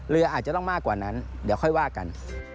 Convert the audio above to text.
เรืออาจจะต้องมากกว่านั้นเดี๋ยวค่อยว่ากัน